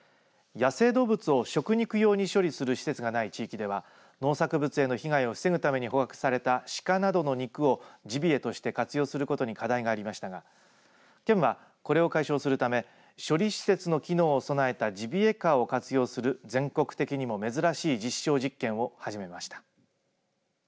野生動物を食肉用に処理する施設がない地域では農作物への被害を防ぐために捕獲されたシカなどの肉をジビエとして活用することに課題がありましたが県は、これを解消するため処理施設の機能を備えたジビエカーを活用する全国的にも珍しい実証実験を始めました。